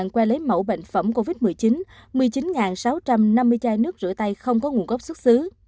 hai mươi qua lấy mẫu bệnh phẩm covid một mươi chín một mươi chín sáu trăm năm mươi chai nước rửa tay không có nguồn gốc xuất xứ